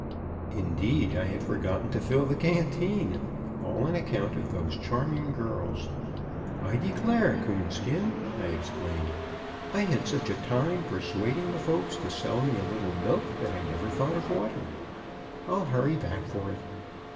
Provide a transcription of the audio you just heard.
Indeed, I had forgotten to fill the canteen all on account of those charming girls. "I declare, Coonskin," I explained, "I had such a time persuading the folks to sell me a little milk that I never thought of water. I'll hurry back for it."